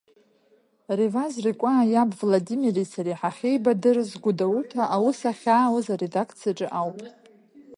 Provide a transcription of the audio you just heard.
Реваз Рекәаа иаб Владимири сареи ҳахьеибадырыз Гәдоуҭа аус ахьаауаз аредакциаҿы ауп.